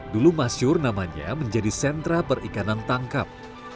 dulu masyur namanya menjadi sentra perikanan tangkap